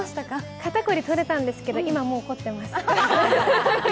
肩凝りはとれたんですけど、今もう凝ってます。